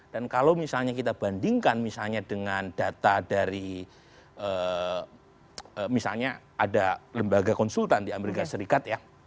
dan kalau misalnya kita bandingkan misalnya dengan data dari misalnya ada lembaga konsultan di amerika serikat ya